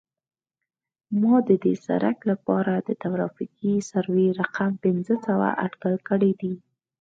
ما د دې سرک لپاره د ترافیکي سروې رقم پنځه سوه اټکل کړی دی